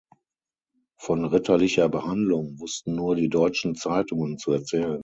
Von 'ritterlicher Behandlung' wußten nur die deutschen Zeitungen zu erzählen“".